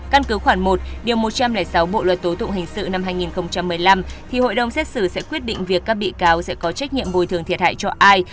căn cứ khoảng một điều một trăm linh sáu bộ luật tố tụng hình sự năm hai nghìn một mươi năm thì hội đồng xét xử sẽ quyết định việc các bị cáo sẽ có trách nhiệm bồi thường thiệt hại cho ai